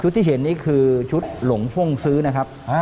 ที่เห็นนี่คือชุดหลงพ่งซื้อนะครับ